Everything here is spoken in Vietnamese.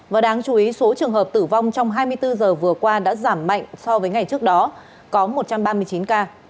và đáng chú ý số trường hợp tử vong trong hai mươi bốn giờ vừa qua đã giảm mạnh so với ngày trước đó có một trăm ba mươi chín ca